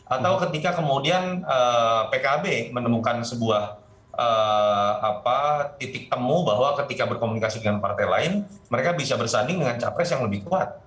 atau ketika kemudian pkb menemukan sebuah titik temu bahwa ketika berkomunikasi dengan partai lain mereka bisa bersanding dengan capres yang lebih kuat